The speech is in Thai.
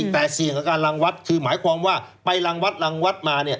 แต่เสี่ยงกับการรังวัดคือหมายความว่าไปรังวัดมา